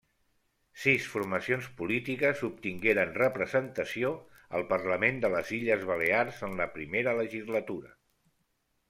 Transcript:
Sis formacions polítiques obtingueren representació al Parlament de les Illes Balears en la Primera Legislatura.